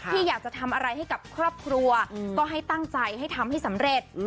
ที่อยากจะทำอะไรให้กับครอบครัวก็ให้ตั้งใจให้ทำให้สำเร็จ